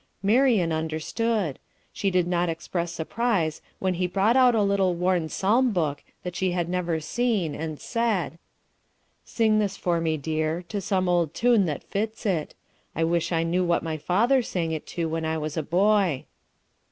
Marian understood; she did not express surprise when he brought out a little worn psalm book that she had never seen, and said: "Sing this for me, dear, to some old tune that fits it; I wish I knew what my father sang it to when I was a boy."